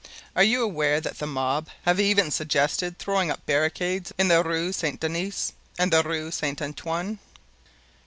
Are you aware that the mob have even suggested throwing up barricades in the Rue Saint Denis and the Rue Saint Antoine?"